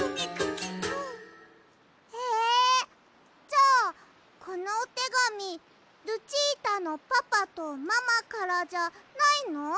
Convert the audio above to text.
じゃあこのおてがみルチータのパパとママからじゃないの？